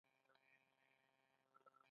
د ډلې افراد کلک ایمان ولري.